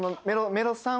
「メロスさん